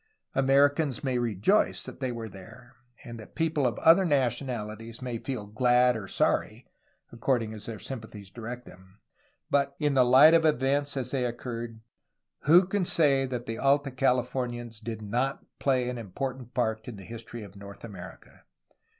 Americans may rejoice that they were there, and THE AFTERMATH 351 people of other nationalities feel glad or sorry, according as their sympathies direct them, but, in the light of events as they occurred, who can say that the Alta Californians did not play an important part in the history of North America?